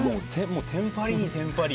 テンパりにテンパり。